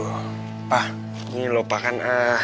aduh pak ini lho pak kan